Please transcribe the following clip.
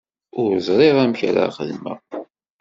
Ur ẓriɣ amek ara xedmeɣ.